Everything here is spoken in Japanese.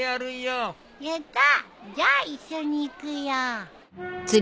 やった！じゃあ一緒に行くよ。